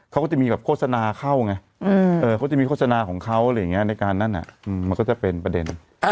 เขาก็จะมีแบบโฆษณาเข้าไงเขาจะมีโฆษณาของเขาอะไรอย่างนี้ในการนั้นมันก็จะเป็นประเด็น